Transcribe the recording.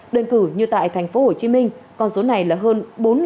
đơn cử như tại tp hcm con số này là hơn bốn hai trăm linh